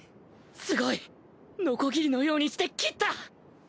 すごい！のこぎりのようにして斬った！